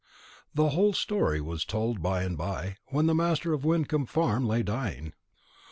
The whole story was told by and by, when the master of Wyncomb Farm lay dying.